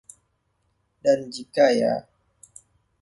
Dan jika ya?